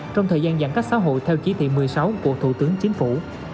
trong thời gian giãn cách xã hội theo chỉ thị một mươi sáu của thủ tướng chính phủ